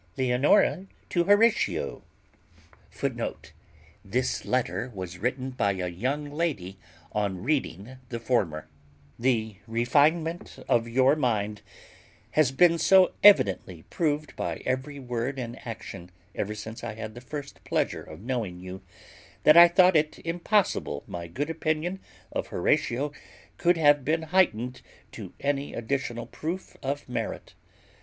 LEONORA TO HORATIO.[A] [A] This letter was written by a young lady on reading the former. "The refinement of your mind has been so evidently proved by every word and action ever since I had the first pleasure of knowing you, that I thought it impossible my good opinion of Horatio could have been heightened to any additional proof of merit.